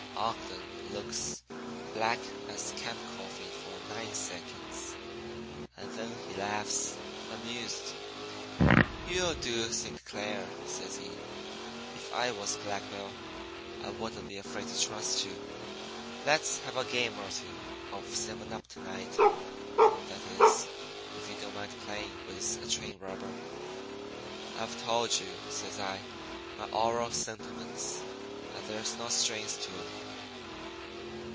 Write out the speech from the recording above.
"Ogden looks black as camp coffee for nine seconds, and then he laughs, amused. "'You'll do, Saint Clair,' says he. 'If I was Black Bill I wouldn't be afraid to trust you. Let's have a game or two of seven up to night. That is, if you don't mind playing with a train robber.' "'I've told you,' says I, 'my oral sentiments, and there's no strings to 'em.'